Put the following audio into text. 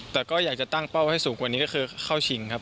แต่ก็อยากจะตั้งเป้าให้สูงกว่านี้ก็คือเข้าชิงครับ